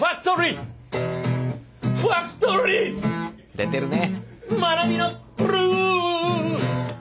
出てるね。